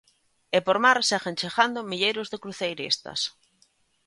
E por mar seguen chegando milleiros de cruceiristas.